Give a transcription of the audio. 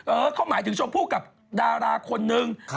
เขาหมายถึงชมพู่กับดาราคนนึง